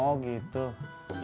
oh gitu yaudah mbak ratna